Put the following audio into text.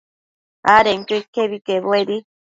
adenquio iquebi quebuedi